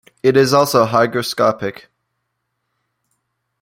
It is also hygroscopic.